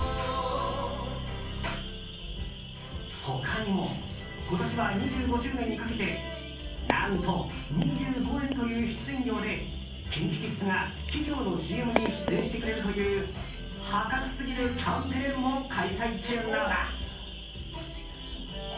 他にも今年は２５周年にかけて何と２５円という出演料でＫｉｎＫｉＫｉｄｓが企業のＣＭに出演してくれるという破格すぎるキャンペーンも開催中なのだ。